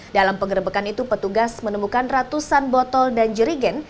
dalam pengerebekan itu petugas menemukan ratusan botol dan jerigen